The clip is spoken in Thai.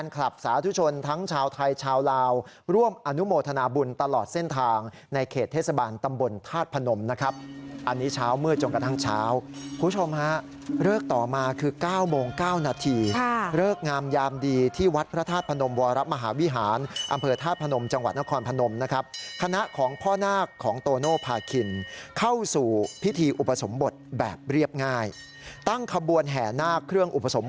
ขึ้นตลอดเส้นทางในเขตเทศบาลตำบลภาพพนมนะครับอันนี้เช้าเมื่อจงกระทั่งเช้าผู้ชมฮะเลิกต่อมาคือเก้าโมงเก้านาทีเลิกงามยามดีที่วัดพระธาตุพนมวรรับมหาวิหารอำเภอธาตุพนมจังหวัดนครพนมนะครับคณะของพ่อนาคต์ของโตโน่พาขินเข้าสู่พิธีอุปสมบทแบบเรียบง่ายตั้งขบวนแห่